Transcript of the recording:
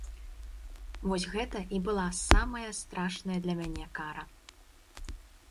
Вось гэта і была самая страшная для мяне кара!